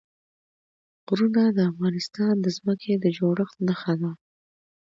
غرونه د افغانستان د ځمکې د جوړښت نښه ده.